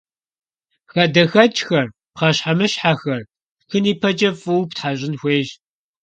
ХадэхэкӀхэр, пхъэщхьэмыщхьэхэр пшхын ипэкӀэ фӀыуэ птхьэщӀын хуейщ.